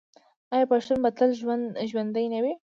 آیا پښتون به تل ژوندی نه وي؟